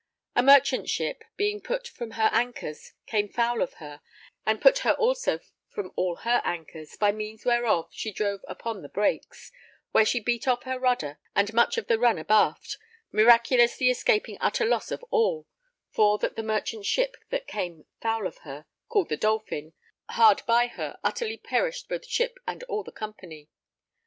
A merchant ship, being put from her anchors, came foul of her, and put her also from all her anchors, by means whereof she drove upon the Brakes, where she beat off her rudder and much of the run abaft, miraculously escaping utter loss of all, for that the merchant ship that came foul of her, called the Dolphin, hard by her utterly perished both ship and all the company.